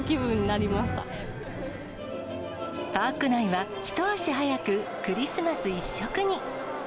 パーク内は、一足早くクリスマス一色に。